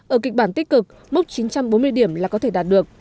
ở kịch bản tích cực mốc chín trăm bốn mươi điểm là có thể đạt được